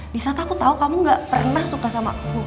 di saat aku tahu kamu gak pernah suka sama aku